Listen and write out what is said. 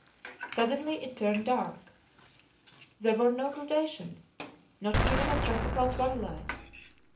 Suddenly it turned dark. There were no gradations not even a tropical twilight.